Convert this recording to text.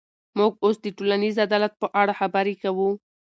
موږ اوس د ټولنیز عدالت په اړه خبرې کوو.